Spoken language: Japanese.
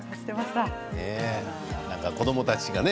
なんか子どもたちがね